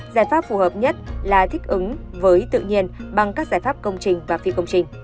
giải pháp phù hợp nhất là thích ứng với tự nhiên bằng các giải pháp công trình và phi công trình